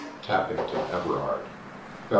TAFPINGTON EVBRABD, Feb.